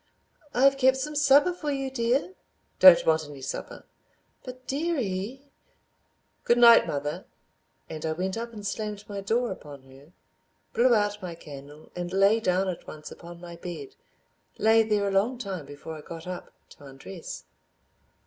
"I've kept some supper for you, dear." "Don't want any supper." "But, dearie———" "Good night, mother," and I went up and slammed my door upon her, blew out my candle, and lay down at once upon my bed, lay there a long time before I got up to undress.